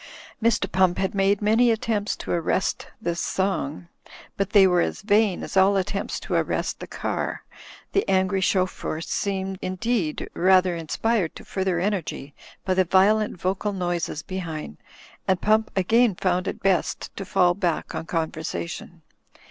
Mr. Pump had made many attempts to arrest this song, but they were as vain as all attempts to arrest the car. The angry chauffeur seemed, indeed, rather inspired to further energy by the violent vocal noises behind ; and Pump again found it best to fall back on conversation.